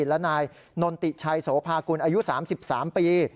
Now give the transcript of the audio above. และนายนนติชัยโสภากุลอายุ๓๓ปี